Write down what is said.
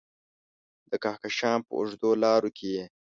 د کهکشان په اوږدو لارو کې یې